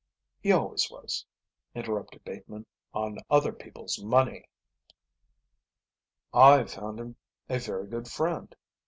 "He always was," interrupted Bateman, "on other people's money." "I've found him a very good friend.